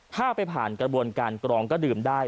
ถ้าไปผ่านกระบวนการกรองก็ดื่มได้